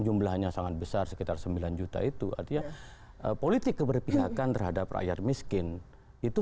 jumlahnya sangat besar sekitar sembilan juta itu artinya politik keberpihakan terhadap rakyat miskin itu